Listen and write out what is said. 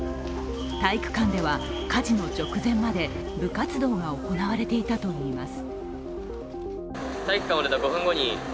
体育館では火事の直前まで部活動が行われていたといいます。